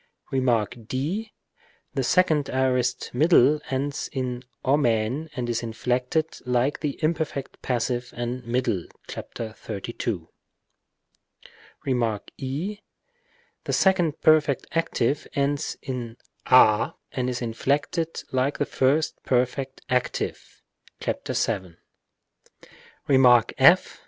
Rem. d. The second aorist middle ends in ou and is inflected like the imperfect passive and middle (§ 32). Rem. 6. The second perfect active ends in a and is inflected like the first perfect active (§ 7). Rem. f.